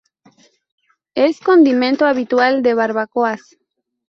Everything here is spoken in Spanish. Es condimento habitual de barbacoas.